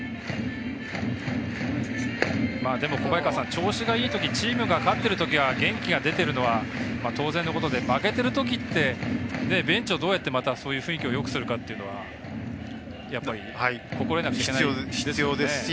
調子がいいときチームが勝っているとき元気が出てるのは当然のことで負けてるときってベンチをどうやって雰囲気よくするかは心得なきゃいけないですね。